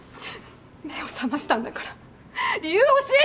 目を覚ましたんだから理由教えてよ！